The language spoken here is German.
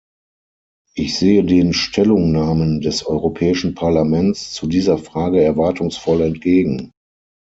Ich sehe den Stellungnahmen des Europäischen Parlaments zu dieser Frage erwartungsvoll entgegen.